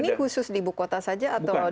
ini khusus di ibu kota saja atau di seluruh